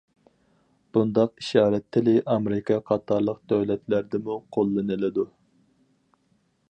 بۇنداق ئىشارەت تىلى ئامېرىكا قاتارلىق دۆلەتلەردىمۇ قوللىنىلىدۇ.